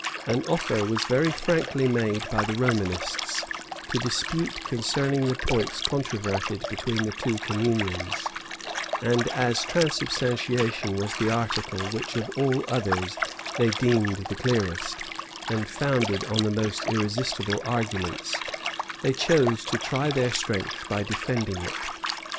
An offer was very frankly made by the Romanists, to dispute concerning the points controverted between the two communions; and as transubstantiation was the article which of all others they deemed the clearest, and founded on the most irresistible arguments, they chose to try their strength by defending it.